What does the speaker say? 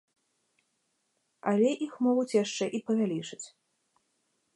Але іх могуць яшчэ і павялічыць.